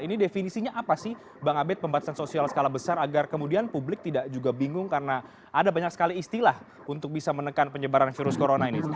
ini definisinya apa sih bang abed pembatasan sosial skala besar agar kemudian publik tidak juga bingung karena ada banyak sekali istilah untuk bisa menekan penyebaran virus corona ini